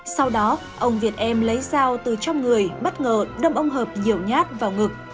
sau đó ông việt em lấy dao từ trong người bất ngờ đâm ông hợp nhiều nhát vào ngực